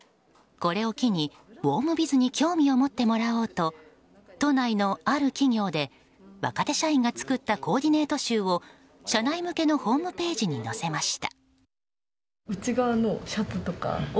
これを機にウォームビズに興味を持ってもらおうと都内のある企業で若手社員が作ったコーディネート集を社内向けのホームページに載せました。